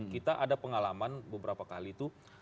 kita ada pengalaman beberapa kali itu